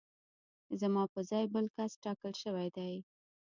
زما په ځای بل کس ټاکل شوی دی